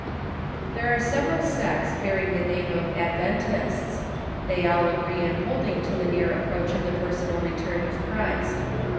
There are several sects bearing the name of Adventists. Thev all agree in holding to the near approach of the personal return of Christ.